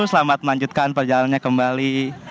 selamat melanjutkan perjalanannya kembali